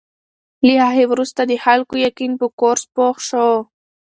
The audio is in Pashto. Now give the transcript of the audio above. له هغې وروسته د خلکو یقین په کورس پوخ شو.